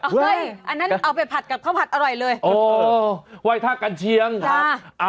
อันนั้นเอาไปผัดกับข้าวผัดอร่อยเลยโอ้ไหว้ท่ากัญเชียงครับ